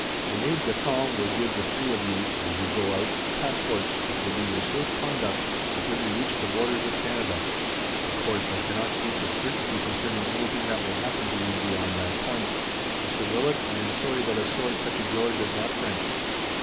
An aide de camp will give the three of you, as you go out, passports which will be your safe conduct until you reach the borders of Canada. Of course, I cannot speak with certainty concerning anything that will happen to you beyond that point. Mr. Willet, I am sorry that a sword such as yours is not French."